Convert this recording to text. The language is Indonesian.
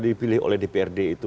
dipilih oleh dprd